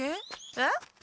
えっ？